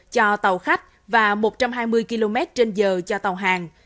cho tàu khách và một trăm hai mươi km trên giờ cho tàu hàng